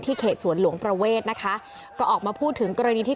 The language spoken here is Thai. เขตสวนหลวงประเวทนะคะก็ออกมาพูดถึงกรณีที่